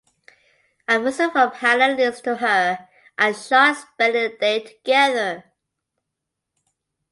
A visit from Hannah leads to her and Sean spending the day together.